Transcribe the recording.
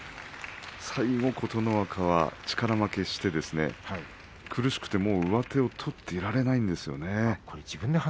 最後、琴ノ若は力負けして苦しくて、左の上手を取っていられないんですよね。